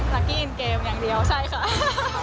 กี้อินเกมอย่างเดียวใช่ค่ะ